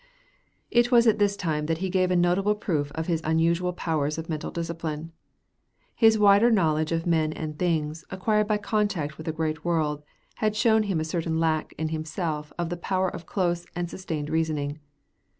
It was at this time that he gave a notable proof of his unusual powers of mental discipline. His wider knowledge of men and things, acquired by contact with the great world, had shown him a certain lack in himself of the power of close and sustained reasoning.